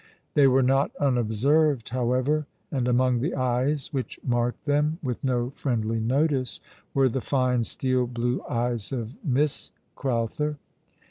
They were not unobserved, however ; and among the eyes which marked them with no friendly notice were the fine, steel blue eyes of Miss Crowther.